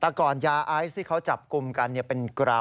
แต่ก่อนยาไอซ์ที่เขาจับกลุ่มกันเป็นกราว